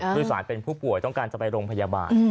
ผู้โดยสารเป็นผู้ป่วยต้องการจะไปโรงพยาบาล